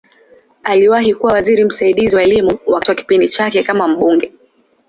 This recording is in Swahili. Aliwahi kuwa waziri msaidizi wa Elimu wakati wa kipindi chake kama mbunge.